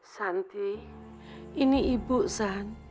santi ini ibu san